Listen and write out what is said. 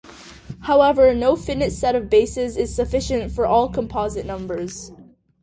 However, no finite set of bases is sufficient for all composite numbers.